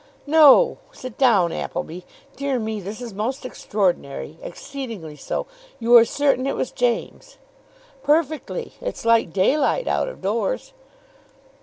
"No, sit down, Appleby. Dear me, this is most extraordinary. Exceedingly so. You are certain it was James?" "Perfectly. It's like daylight out of doors."